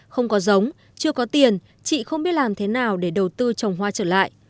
không có giống chưa có tiền chị không biết làm thế nào để đầu tư trồng hoa trở lại